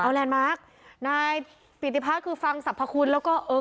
เอาแลนมาร์คนายพิติพัฒน์คือฟังศรัพธบคุณแล้วก็เออ